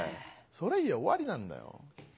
それ言や終わりなんだよ。